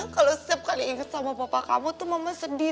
kalo setiap kali inget sama papa kamu tuh mama sedih